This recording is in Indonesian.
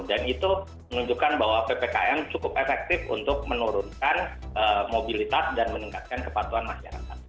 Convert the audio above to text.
dan itu menunjukkan bahwa ppkm cukup efektif untuk menurunkan mobilitas dan meningkatkan kepatuhan masyarakat